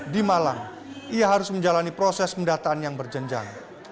di malang ia harus menjalani proses pendataan yang berjenjang